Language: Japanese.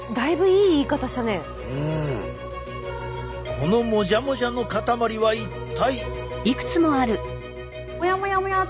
このもじゃもじゃの塊は一体。